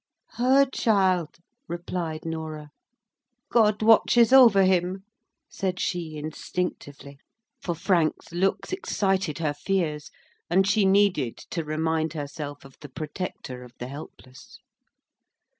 "Her child," replied Norah. "God watches over him," said she instinctively; for Frank's looks excited her fears, and she needed to remind herself of the Protector of the helpless.